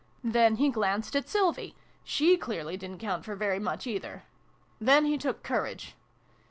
Then he glanced at Sylvie : she clearly didn't count for very much, either. Then he took courage.